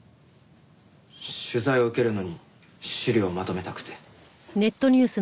取材を受けるのに資料をまとめたくて。